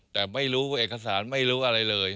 แต่ไม่รู้เอกสารไม่รู้อะไรเลย